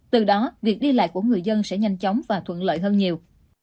từ đó việc đi lại của người dân sẽ nhanh chóng và thuận lợi hơn nhiều